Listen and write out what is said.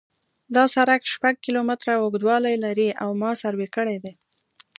دا سرک شپږ کیلومتره اوږدوالی لري او ما سروې کړی دی